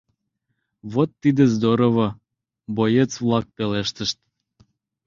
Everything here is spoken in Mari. — Вот тиде здорово!.. — боец-влак пелештышт.